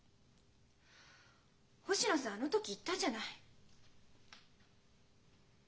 星野さんあの時言ったじゃない。